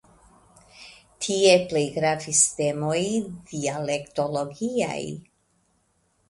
Tie plej gravis temoj dialektologiaj.